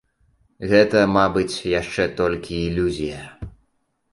Гэта, мабыць, яшчэ толькі ілюзія.